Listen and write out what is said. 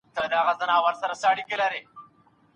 په ډيره مينه يې خپله يوه خپه سوي ملګري ته ډالۍ کوم .